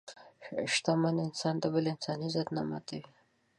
شتمن انسان د بل انسان عزت نه ماتوي.